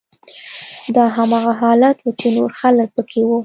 دا هماغه حالت و چې نور خلک پکې وو